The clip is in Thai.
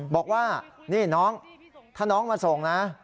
บอกว่านี่น้องถ้าน้องมาส่งนะ